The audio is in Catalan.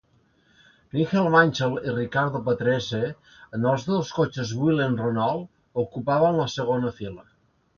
Nigel Mansell i Riccardo Patrese, en els dos cotxes Williams-Renault, ocupaven la segona fila.